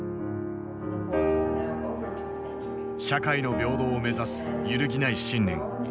社会の平等を目指す揺るぎない信念。